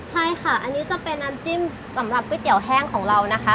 ใช่ค่ะอันนี้จะเป็นน้ำจิ้มสำหรับก๋วยเตี๋ยแห้งของเรานะคะ